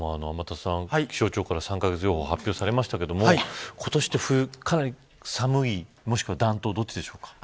気象庁から３カ月予報発表されましたけど今年の冬はかなり寒い、もしくは暖冬、どっちでしょうか。